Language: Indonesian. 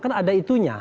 kan ada itunya